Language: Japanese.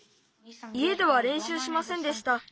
いえではれんしゅうしませんでした。